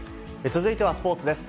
続いてはスポーツです。